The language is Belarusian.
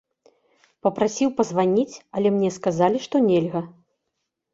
Папрасіў пазваніць, але мне сказалі, што нельга.